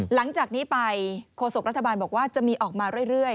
หลังจากนี้ไปโฆษกรัฐบาลบอกว่าจะมีออกมาเรื่อย